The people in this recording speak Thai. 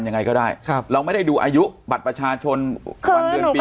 ยังไงก็ได้ครับเราไม่ได้ดูอายุบัตรประชาชนวันเดือนปี